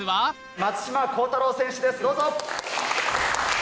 松島幸太朗選手です、どうぞ！